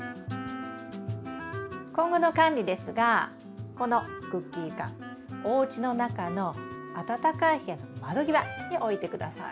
今後の管理ですがこのクッキー缶おうちの中の暖かい部屋の窓際に置いて下さい。